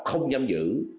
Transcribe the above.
không giam giữ